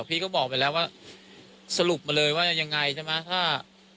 พี่ก็บอกไปแล้วว่าสรุปมาเลยว่ายังไงใช่ไหมถ้า